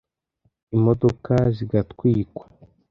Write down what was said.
imodoka zigatwikwa